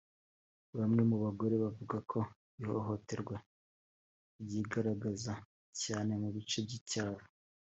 Bamwe mu bagore bavuga ko ihohoterwa ryigaragaza cyane mu bice by’icyaro